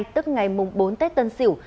tức ngày mùng bốn tết tân sỉu